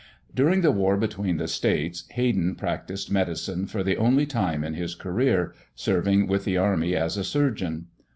During the War between the States, Hayden practiced medicine for the only time in his career, serving with the Army as a surgeon.